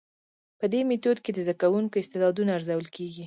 په دي ميتود کي د زده کوونکو استعدادونه ارزول کيږي.